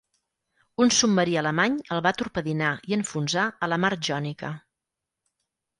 Un submarí alemany el va torpedinar i enfonsar a la mar Jònica.